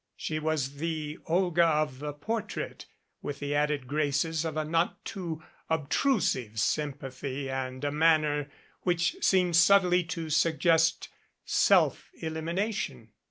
She was the Olga of the portrait with the added graces of a not too obtrusive sympathy arid a man ner which seemed subtly to suggest self elimination.